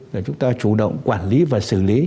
là chúng ta chủ động quản lý và xử lý